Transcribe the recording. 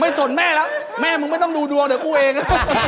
ไม่สนแม่แล้วแม่มึงไม่ต้องดูเดี๋ยวคู่เอง